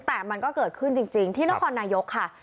แต่มันก็เกิดขึ้นจริงที่นครนายกค่ะ